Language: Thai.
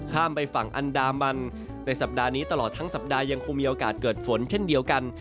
ข้ามไปฝั่งอันดามันในสัปดาห์นี้ตลอดทั้งสัปดาห์ยังคงมีโอกาสเกิดฝนเช่นเดียวกัน